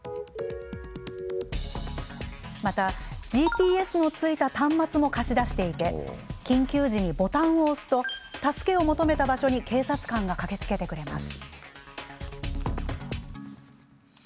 また、ＧＰＳのついた端末も貸し出していて緊急時にボタンを押すと助けを求めた場所に警察官が駆けつけてくれます。